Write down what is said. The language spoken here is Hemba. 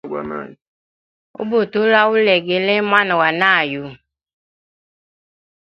Ubutulwa ulegele mwana gwa nayu.